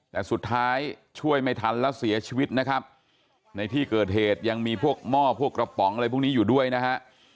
แต่สุดท้ายช่วยไม่ทันแล้วเสียชีวิตนะครับในที่เกิดเหตุยังมีพวกหม้อพวกกระป๋องอะไรพวกนี้อยู่ด้วยนะฮะ